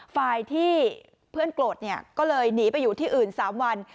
ฝ่ายที่เพื่อนโกรธเนี่ยก็เลยหนีไปอยู่ที่อื่น๓วัน